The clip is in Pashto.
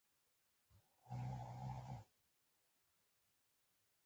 ستاسې لاشعور تاسې ته پر خپلو توقعاتو برلاسي دربښي.